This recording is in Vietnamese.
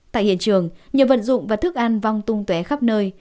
tại hiện trường nhiều vận dụng và thức ăn vong tung tué khắp nơi